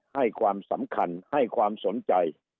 ให้ความสำคัญให้ความสนใจ